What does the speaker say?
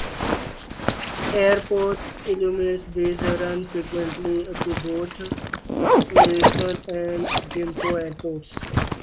Airport "limousine buses" run frequently to both Incheon and Gimpo airports.